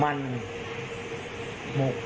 มันหมวก